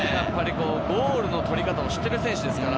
ゴールの取り方を知っている選手です。